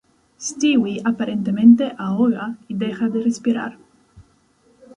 Stewie aparentemente ahoga y deja de respirar.